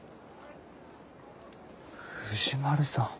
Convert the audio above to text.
藤丸さん。